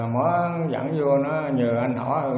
mới dẫn vô nó nhờ anh hỏi